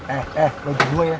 eh eh logik dua ya